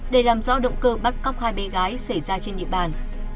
để làm rõ động cơ bắt cóc hai bé gái xảy ra trên địa bàn